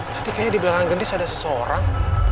tadi kayaknya di belakang geng dis ada seseorang